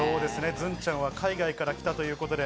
ズンちゃんは海外から来たということで。